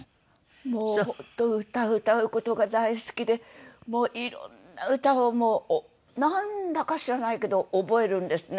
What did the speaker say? もう本当歌を歌う事が大好きでいろんな歌をもうなんだか知らないけど覚えるんですね。